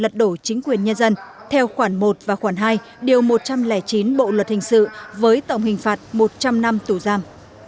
trong năm tù giam